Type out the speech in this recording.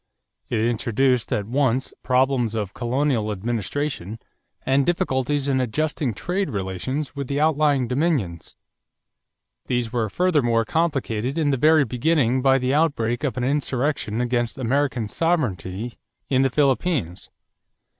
It introduced at once problems of colonial administration and difficulties in adjusting trade relations with the outlying dominions. These were furthermore complicated in the very beginning by the outbreak of an insurrection against American sovereignty in the Philippines.